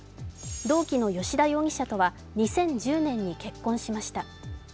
同期の吉田容疑者とは２０１０年に結婚しました。